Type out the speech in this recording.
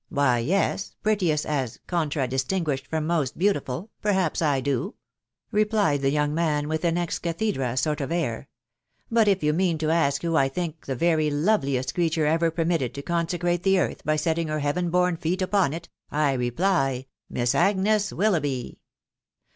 — why, yes, prettiest, as contra distinguished from most beautiful, — perhaps I do," replied the young man, witb an ex cathedrd sort of air ;...." but if you mean to ask who I think the very loveliest creation ever permitted to consecrate the earth by setting her heaven born feet upon it, I reply, Miss Agnes Willoughby